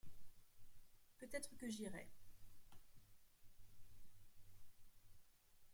Peut-être que j’irai.